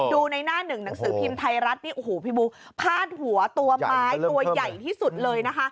ดูในหน้าหนึ่งหนังสือพิมพ์ไทยรัฐนี่โอ้โหพี่บุ๊คพาดหัวตัวไม้ตัวใหญ่ที่สุดเลยนะคะ